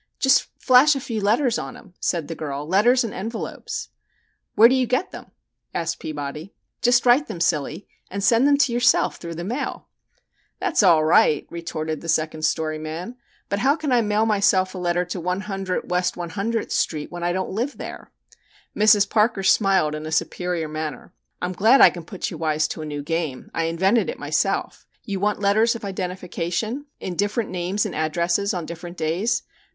"Just flash a few letters on him," said the girl. "Letters and envelopes." "Where do you get 'em?" asked Peabody. "Just write them, silly, and send them to yourself through the mail." "That's all right," retorted the "second story man." "But how can I mail myself a letter to 100 West One Hundredth Street when I don't live there?" Mrs. Parker smiled in a superior manner. "I'm glad I can put you wise to a new game, I invented it myself. You want letters of identification? In different names and addresses on different days?